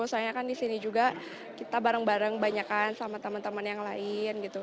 soalnya kan di sini juga kita bareng bareng banyakan sama teman teman yang lain gitu